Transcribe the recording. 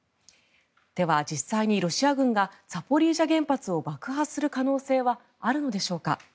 では実際にロシア軍がザポリージャ原発を爆破する可能性はあるのでしょうか。